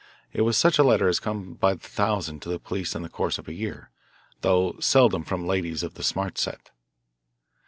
It was such a letter as comes by the thousand to the police in the course of a year; though seldom from ladies of the smart set.